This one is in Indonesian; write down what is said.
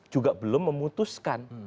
juga belum memutuskan